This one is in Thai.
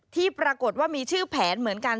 ที่ปรากฏว่ามีชื่อแผนเหมือนกัน